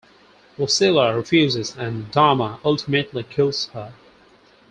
Lucilla refuses, and Dama ultimately kills her.